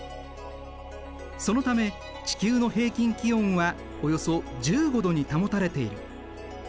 そのため地球の平均気温はおよそ１５℃に保たれている。